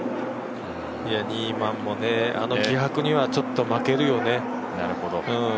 ニーマンもね、あの気迫にはちょっと負けるよね。